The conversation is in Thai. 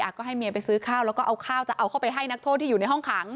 ก็ให้เมียไปซื้อข้าวแล้วก็เอาข้าวจะเอาเข้าไปให้นักโทษที่อยู่ในห้องขัง